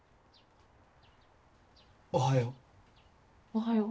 おはよう。